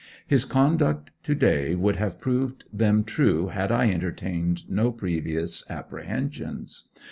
His conduct to day would have proved them true had I entertained no previous apprehensions.